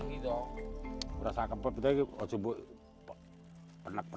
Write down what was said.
ini yang harus dikonsumsi oleh rakyat